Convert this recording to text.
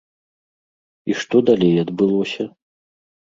І што далей адбылося?